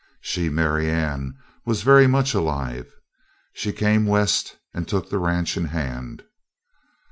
She, Marianne, was very much alive. She came West and took the ranch in hand.